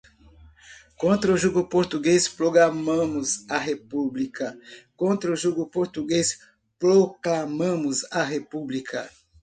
contra o jugo português, proclamamos a República, contra o jugo português, proclamamos a República